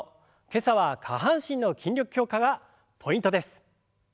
今朝は下半身の筋力強化がポイントです。